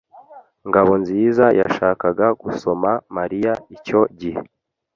Ngabonziza yashakaga gusoma Mariya icyo gihe.